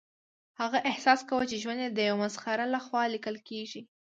هغه احساس کاوه چې ژوند یې د یو مسخره لخوا لیکل کیږي